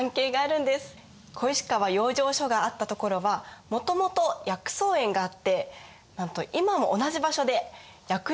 小石川養生所があった所はもともと薬草園があってなんと今も同じ場所で薬用植物を育てています。